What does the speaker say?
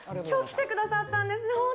今日来てくださったんですね